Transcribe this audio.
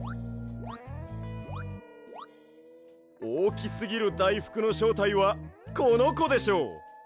おおきすぎるだいふくのしょうたいはこのこでしょう。